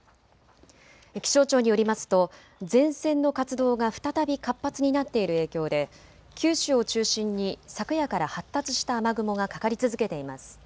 気象庁によりますと前線の活動が再び活発になっている影響で九州を中心に昨夜から発達した雨雲がかかり続けています。